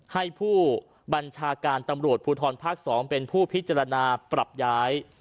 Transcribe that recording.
ให้ผู้บัญชาการตำรวจภูทรภาค๒เป็นผู้พิจารณาปรับย้าย